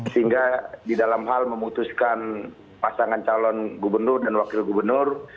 sehingga di dalam hal memutuskan pasangan calon gubernur dan wakil gubernur